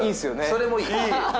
それもいい。